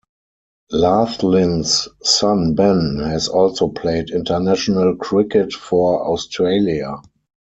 Laughlin's son Ben has also played international cricket for Australia.